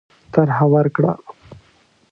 طرح ورکړه.